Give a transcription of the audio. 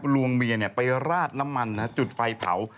บอกวอนช่วยล่าหัวโหดหน่อยเข้าช่องครับ